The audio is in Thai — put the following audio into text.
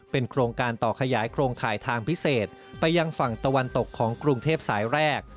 โครงการต่อขยายโครงข่ายทางพิเศษไปยังฝั่งตะวันตกของกรุงเทพสายแรก